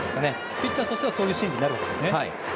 ピッチャーとしてはそういう心理になるんですね。